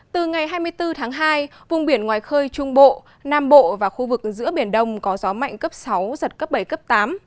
từ ngày hai mươi bốn tháng hai vùng biển ngoài khơi trung bộ nam bộ và khu vực giữa biển đông có gió mạnh cấp sáu giật cấp bảy cấp tám